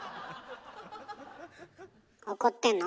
怒ってんの？